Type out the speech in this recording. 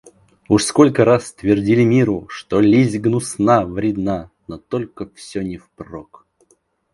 Уж сколько раз твердили миру, что лесть гнусна, вредна; но только всё не впрок